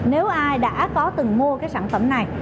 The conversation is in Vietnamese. nếu ai đã có từng mua sản phẩm này